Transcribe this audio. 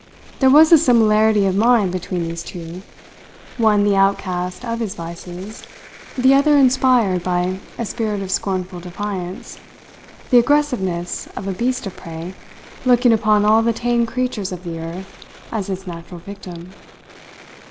There was a similarity of mind between these two one the outcast of his vices, the other inspired by a spirit of scornful defiance, the aggressiveness of a beast of prey looking upon all the tame creatures of the earth as its natural victim.